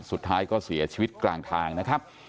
สุดท้ายก็เสียชีวิตกลางทางนะครับ